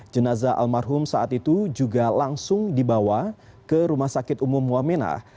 jenazah almarhum saat itu juga langsung dibawa ke rumah sakit umum wamena